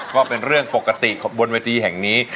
ก็เป็นเรื่องปกติของบนเวทีแห่งนี้